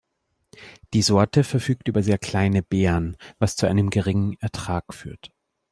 Die Sorte verfügt über sehr kleine Beeren, was zu einem geringen Ertrag führt.